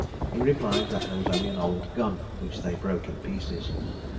He replied that there was only an old gun, which they broke in pieces.